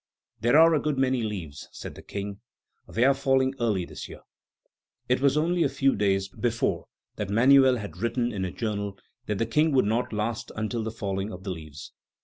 "There are a good many leaves," said the King; "they are falling early this year." It was only a few days before that Manuel had written in a journal that the King would not last until the falling of the leaves.